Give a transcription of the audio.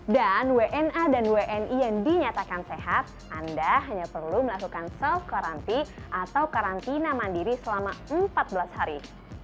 dan wna dan wni yang dinyatakan sehat anda hanya perlu melakukan self quarantine atau karantina mandiri selama empat belas hari